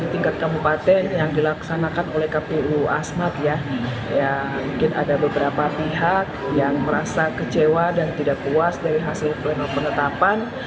di tingkat kabupaten yang dilaksanakan oleh kpu asmat ya mungkin ada beberapa pihak yang merasa kecewa dan tidak puas dari hasil penetapan